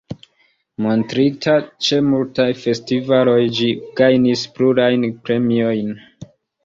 Montrita ĉe multaj festivaloj ĝi gajnis plurajn premiojn.